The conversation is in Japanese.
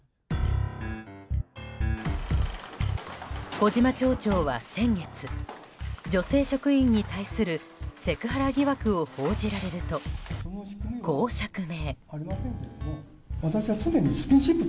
小島町長は先月女性職員に対するセクハラ疑惑を報じられるとこう釈明。